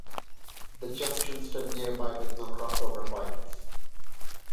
The junction stood nearby with no crossover points.